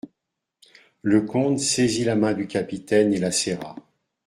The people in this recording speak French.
Le comte saisit la main du capitaine et la serra.